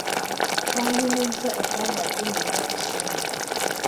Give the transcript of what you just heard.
Twanyumizza ebbanga ddene nnyo ku ssimu.